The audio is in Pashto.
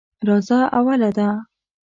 راځه اوله ده.